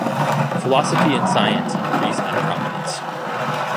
Philosophy and science increased in prominence.